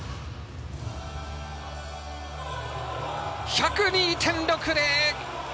１０２．６０！